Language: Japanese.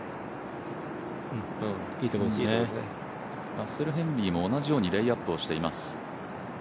ラッセル・ヘンリーも同じようにレイアップをしています。